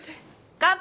乾杯！